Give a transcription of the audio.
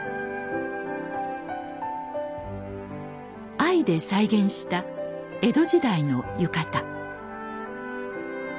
藍で再現した江戸時代の浴衣。